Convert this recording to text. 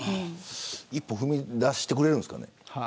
一歩踏み出してくれるんですかね。